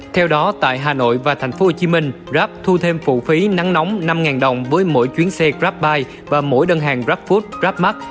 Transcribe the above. theo đó tại hà nội và tp hcm rap thu thêm phụ phí nắng nóng năm đồng với mỗi chuyến xe grabpay và mỗi đơn hàng grabfood grabmark